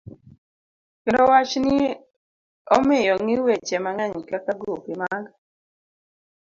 Kendo wachni omiyo ong'i weche mang'eny kaka gope mag